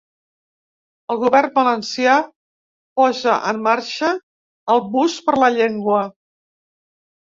El govern valencià posa en marxa el bus per la llengua.